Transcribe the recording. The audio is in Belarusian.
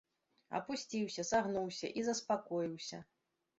Апусціўся, сагнуўся і заспакоіўся.